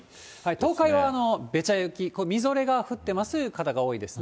東海は、べちゃ雪、みぞれが降ってますという方が多いですね。